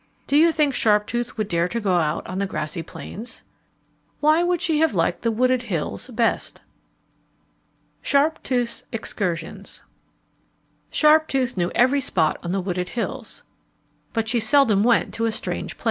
Do you think Sharptooth would dare to go out on the grassy plains? Why did she like the wooded hills best? Sharptooth's Excursions Sharptooth knew every spot on the wooded hills. But she seldom went to a strange place.